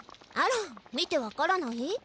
あら見て分からない？